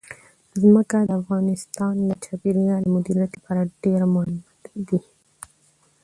ځمکه د افغانستان د چاپیریال د مدیریت لپاره ډېر مهم دي.